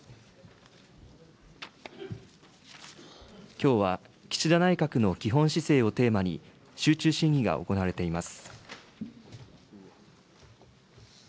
きょうは岸田内閣の基本姿勢をテーマに、集中審議が行われています。